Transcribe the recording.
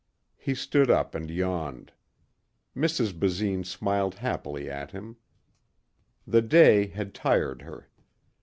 He stood up and yawned. Mrs. Basine smiled happily at him. The day had tired her.